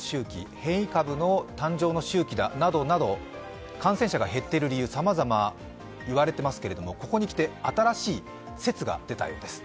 変異株の誕生の周期だなどなど感染者が減っている理由さまざま言われてますけどここに来て新しい説が出たようです。